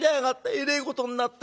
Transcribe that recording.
えれえことになった」。